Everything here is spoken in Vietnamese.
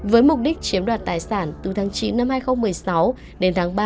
với mục đích chiếm đoạt tài sản từ tháng chín năm hai nghìn một mươi sáu đến tháng ba